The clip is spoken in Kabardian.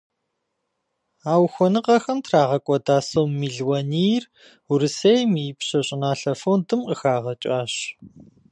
А ухуэныгъэхэм трагъэкӏуэда сом мелуанийр Урысейм и Ипщэ щӏыналъэ фондым къыхагъэкӏащ.